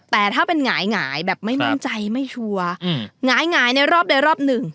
แต่ถ้าเป็นหงายแบบไม่มั่นใจไม่ชัวร์หงายในรอบใดรอบหนึ่ง